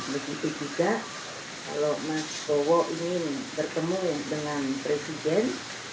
begitu juga kalau mas bowo ingin bertemu dengan presiden